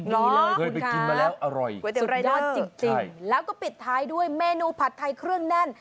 นี่เลยกินมาแล้วอร่อยก๋วสุดยอดจริงแล้วก็ปิดท้ายด้วยเมนูผัดไทยเครื่องแน่น